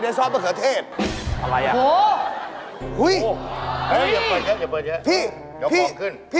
พี่สักแมวขึ้นทางด่วนเหรอ